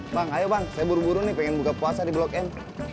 bang ayo bang saya buru buru nih pengen buka puasa di blok m